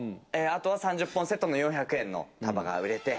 △箸３０本セットの４００円の束が売れて。